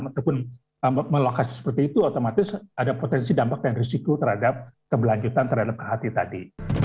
ataupun melokasi seperti itu otomatis ada potensi dampak dan risiko terhadap keberlanjutan terhadap hati tadi